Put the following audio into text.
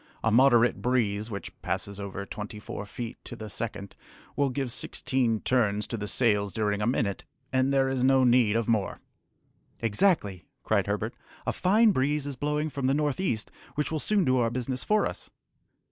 A moderate breeze, which passes over twenty four feet to the second, will give sixteen turns to the sails during a minute, and there is no need of more." "Exactly!" cried Herbert; "a fine breeze is blowing from the north east, which will soon do our business for us."